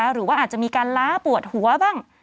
หรือว่าอาจจะมีการล้าปวดหัวบ้าง